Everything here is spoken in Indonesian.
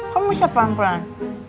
kamu siap pelan pelan